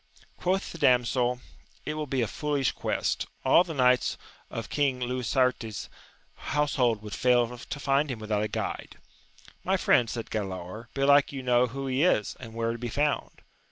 Quoth the damsel, It will be a foolish quest : all the knights of Eang Lisuarte's household would fail to find him without a guide. My friend, said Galaor, belike you know who he is, and where to be found